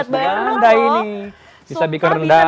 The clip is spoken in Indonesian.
harus belajar dari mas bandai nih bisa bikin rendang